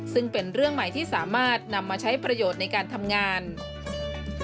ซึ่งเป็นเรื่องใหม่ที่สามารถนำมาใช้ประโยชน์ในการทำงาน